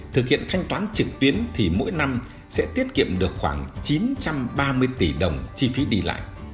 thực hiện thanh toán trực tuyến thì mỗi năm sẽ tiết kiệm được khoảng chín trăm ba mươi tỷ đồng chi phí đi lại